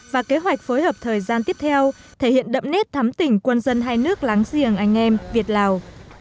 và kế hoạch phối hợp thời gian tiếp theo thể hiện đậm nét thắm tỉnh quân dân hai nước láng giềng anh em việt lào